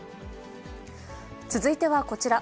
続いてはこちら。